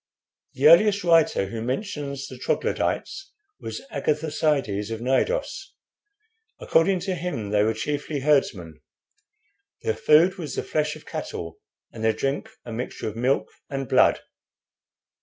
"The earliest writer who mentions the Troglodytes was Agatharcides, of Cnidos. According to him they were chiefly herdsmen. Their food was the flesh of cattle, and their drink a mixture of milk and blood.